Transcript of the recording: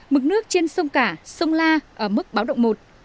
mực nước trên sông cả sông la ở mức báo động một